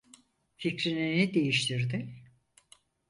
Fikrini ne değiştirdi?